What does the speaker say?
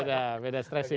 beda beda stress sih